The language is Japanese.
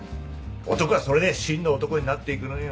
男はそれで真の男になっていくのよ。